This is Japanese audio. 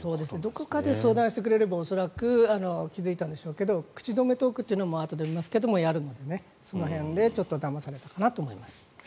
どこかで相談してくれれば恐らく気付いたんでしょうけど口止めトークというのもあとで言いますが、やるのでその辺でちょっとだまされたかなと思います。